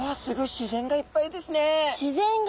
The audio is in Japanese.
自然がいっぱいですね。